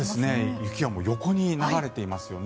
雪が横に流れていますよね